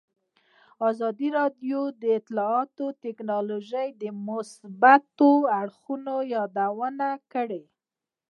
ازادي راډیو د اطلاعاتی تکنالوژي د مثبتو اړخونو یادونه کړې.